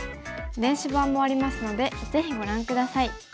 電子版もありますのでぜひご覧下さい。